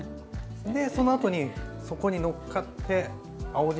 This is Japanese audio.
でそのあとにそこにのっかって青じ